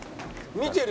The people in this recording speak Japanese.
見てる！